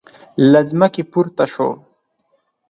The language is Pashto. له ځمکې پورته شو.